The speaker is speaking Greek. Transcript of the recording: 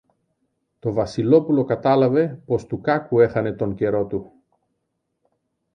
Το Βασιλόπουλο κατάλαβε πως του κάκου έχανε τον καιρό του.